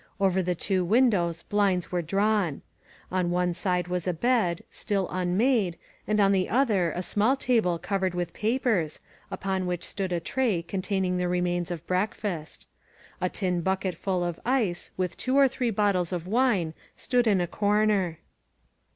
Over the two windows blinds were drawn. On one side was a bed, still unmade, and on the other a small table covered with papers, upon which stood a tray containing the remains of breakfast. A tin bucket full of ice with two or three bottles of wine stood in a comer.